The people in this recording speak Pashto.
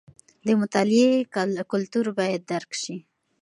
د مطالعې کلتور باید درک شي.